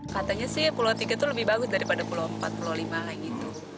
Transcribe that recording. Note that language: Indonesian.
katanya sih pulau tiga itu lebih bagus daripada pulau empat puluh lima